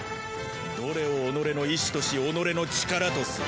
どれを己の意思とし己の力とする？